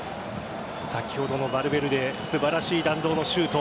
先ほどのヴァルヴェルデ素晴らしい弾道のシュート。